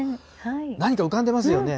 何か浮かんでますよね。